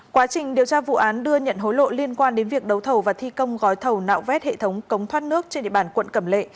quá trình điều tra vụ án đưa nhận hối lộ liên quan đến việc đấu thầu và thi công gói thầu nạo vét hệ thống cống thoát nước trên địa bàn quận cẩm lệ